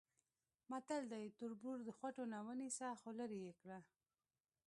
متل دی: تربور د خوټونه ونیسه خولرې یې کړه.